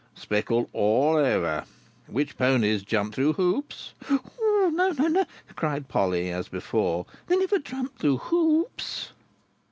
"Speckled all over. Which ponies jump through hoops—" "No, no, NO!" cried Polly, as before. "They never jump through hoops!"